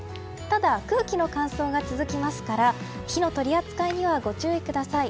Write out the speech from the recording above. ただ、空気の乾燥が続きますから火の取り扱いにはご注意ください。